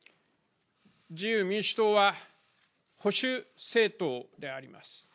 自由民主党は保守政党であります。